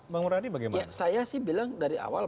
bang muradi bagaimana saya sih bilang dari awal